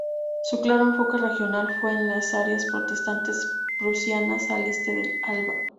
Su claro enfoque regional fue en las áreas protestantes prusianas al este del Elba.